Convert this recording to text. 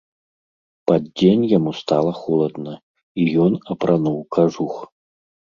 Пад дзень яму стала холадна, і ён апрануў кажух.